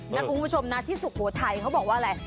นะคุณผู้ชมนะที่สุโขทัยเขาบอกว่าอะไร